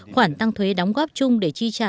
khoản tăng thuế đóng góp chung để chi trả